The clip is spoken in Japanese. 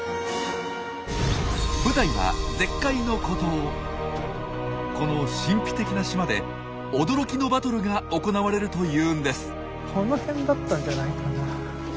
舞台はこの神秘的な島で驚きのバトルが行われるというんです。